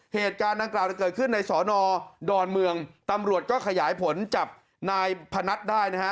เหตุการณ์ดังกล่าวเกิดขึ้นในสอนอดอนเมืองตำรวจก็ขยายผลจับนายพนัทได้นะฮะ